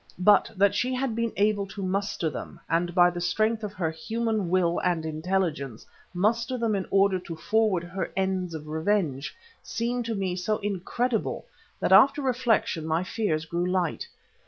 But that she had been able to muster them, and by the strength of her human will and intelligence muster them in order to forward her ends of revenge, seemed to me so incredible that after reflection my fears grew light.